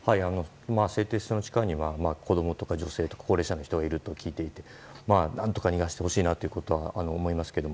製鉄所の地下には子供とか女性とか高齢者の人がいると聞いていて何とか逃がしてほしいなということを思いますけど。